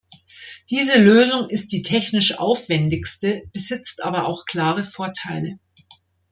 Diese Lösung ist die technisch aufwändigste, besitzt aber auch klare Vorteile.